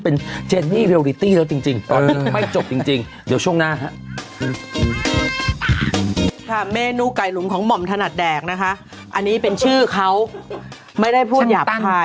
อันนี้ปั้มมันเป็นแบบรวมเวนูต่างเนี่ยนะคะ